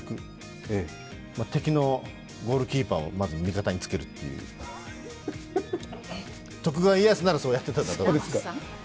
敵のゴールキーパーをまず味方につけるという、徳川家康ならそうやっていただろうと。